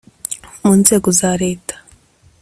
mu nzego za leta.